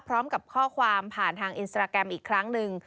พร้อมกับข้อความผ่านทางอินสตราแกรมอีกครั้งหนึ่ง